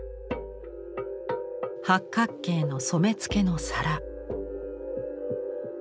八角形の染付の皿。